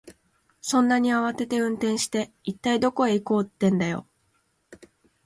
そんなに慌てて運転して、一体どこへ行こうってんだよ。